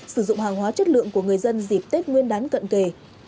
sử dụng hàng hóa chất lượng của người dân dịp tết nguyên đán cận kề